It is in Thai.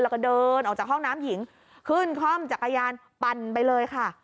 แล้วก็เดินออกจากห้องน้ำหญิงขึ้นคล่อมจักรยานปั่นไปเลยค่ะ